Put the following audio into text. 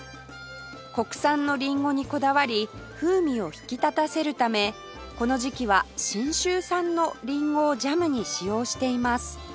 国産のりんごにこだわり風味を引き立たせるためこの時期は信州産のりんごをジャムに使用しています